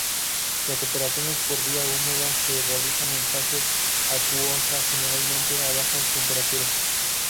Las operaciones por vía húmeda se realizan en fase acuosa, generalmente a bajas temperaturas.